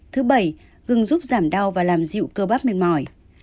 thứ bảy gừng giúp giảm đau và làm dịu cơ bắp mệt mỏi